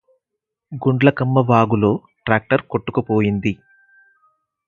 గుండ్లకమ్మ వాగులో ట్రాక్టర్ కొట్టుకుపోయింది